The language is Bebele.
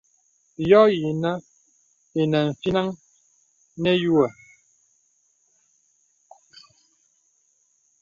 Yɔ̄ yìnə̀ inə fínaŋ nə̀ yùə̀ə̀.